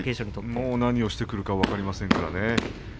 何をしてくるか分かりませんからね。